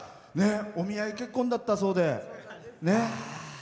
お見合い結婚だったそうで。